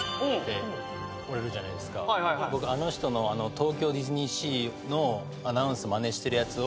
僕あの人の東京ディズニーシーのアナウンスマネしてるやつを。